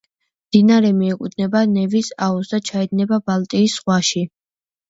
მდინარე მიეკუთვნება ნევის აუზს და ჩაედინება ბალტიის ზღვაში.